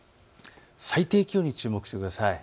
最低気温に注目してください。